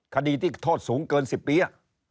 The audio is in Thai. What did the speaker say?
คดีที่โทษสูงเกิน๑๐ปี